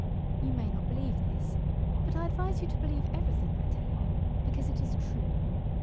You may not believe this; but I advise you to believe everything I tell you, because it is true.